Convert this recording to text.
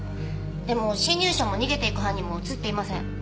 でも侵入者も逃げていく犯人も映っていません。